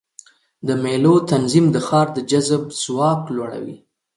د مېلو تنظیم د ښار د جذب ځواک لوړوي.